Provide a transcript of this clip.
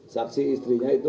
saksi istrinya itu